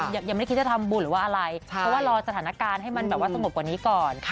ยังไม่ได้คิดจะทำบุญหรือว่าอะไรเพราะว่ารอสถานการณ์ให้มันแบบว่าสงบกว่านี้ก่อน